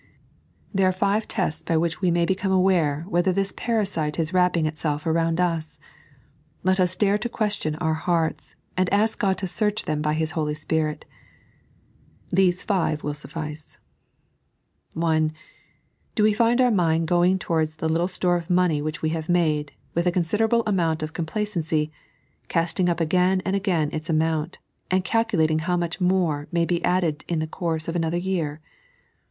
There are five tests by which we may become aware whether this parasite is wrapping itself around us. Let us dare to question our hearts, and ask God to search them by His Holy Spirit. These five will suffice :— (1) Do we find our mind going towards the little store of money which we have made, with a considerable amount of complacency, casting up again and again its amount, and calculating how much more may be added in the course of another year